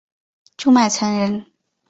朱买臣人。